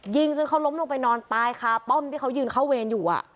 ยิงจนเขาล้มลงไปนอนตายคาป้อมที่เขายืนเข้าเวรอยู่